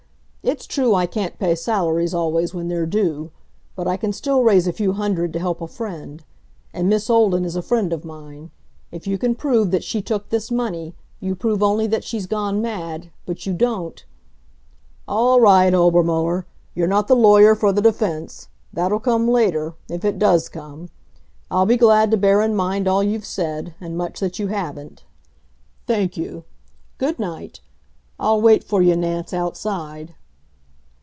It's true I can't pay salaries always when they're due, but I can still raise a few hundred to help a friend. And Miss Olden is a friend of mine. If you can prove that she took this money, you prove only that she's gone mad, but you don't " "All right, Obermuller. You're not the lawyer for the defense. That'll come later if it does come. I'll be glad to bear in mind all you've said, and much that you haven't." "Thank you. Good night.... I'll wait for you, Nance, outside."